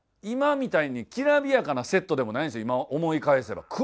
今みたいにきらびやかなセットでもないんですよ。今思い返せば。